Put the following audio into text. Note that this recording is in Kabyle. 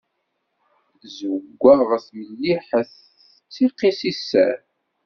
Zewwaɣet, melliḥet, tettiqi seg sser.